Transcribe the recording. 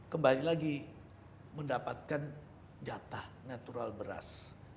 kembali lagi mendapatkan jatah natural beras